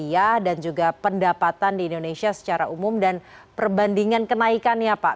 biaya kuliah dan juga pendapatan di indonesia secara umum dan perbandingan kenaikan ya pak